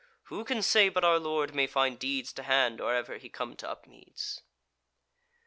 Who can say but our lord may find deeds to hand or ever he come to Upmeads?"